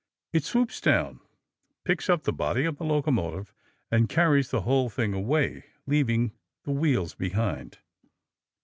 It swoops down, picks up the body of the locomotive and carries the whole thing away, leaving the wheels behind.